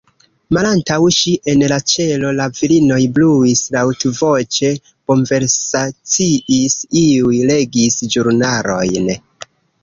Malantaŭ ŝi, en la ĉelo, la virinoj bruis, laŭtvoĉe konversaciis, iuj legis ĵurnalojn.